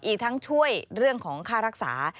อีกทั้งช่วยเรื่องของค่ารักษา